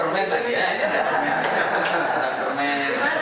lebih ya mas ya